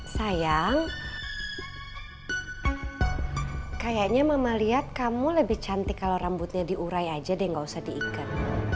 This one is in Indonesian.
sayang kayaknya mama liat kamu lebih cantik kalo rambutnya diurai aja deh gausah diikat